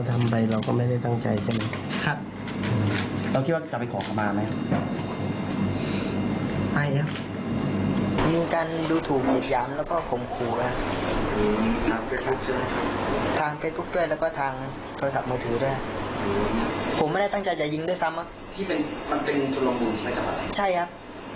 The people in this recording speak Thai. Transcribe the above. ผมไม่ได้ตั้งใจจะยิงด้วยซ้ำอ่ะที่เป็นมันเป็นสลมบุญใช้จังหวะใช่ครับ